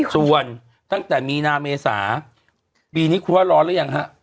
ส่วนตั้งแต่มีนาเมษาปีนี้คุณว่าร้อนหรือยังฮะ